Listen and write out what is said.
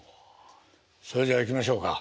それじゃあいきましょうか。